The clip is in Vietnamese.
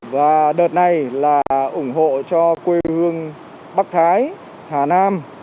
và đợt này là ủng hộ cho quê hương bắc thái hà nam